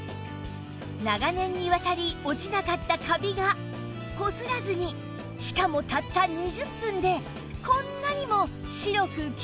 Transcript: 長年にわたり落ちなかったカビがこすらずにしかもたった２０分でこんなにも白くキレイになりました